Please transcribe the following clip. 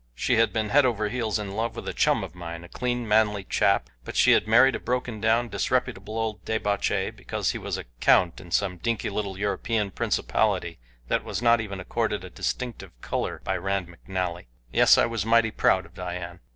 She had been head over heels in love with a chum of mine a clean, manly chap but she had married a broken down, disreputable old debauchee because he was a count in some dinky little European principality that was not even accorded a distinctive color by Rand McNally. Yes, I was mighty proud of Dian.